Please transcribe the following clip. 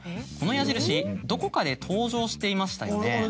この矢印どこかで登場していましたよね？